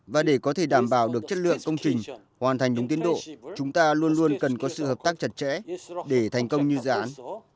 và để có thể đảm bảo được chất lượng công trình hoàn thành đúng tiến độ chúng ta luôn luôn cần có sự hợp tác chặt chẽ để thành công như dự án